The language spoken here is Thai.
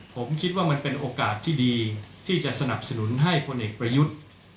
ผมคิดว่ามันเป็นโอกาสที่ดีที่จะสนับสนุนให้พลเอกประยุทธ์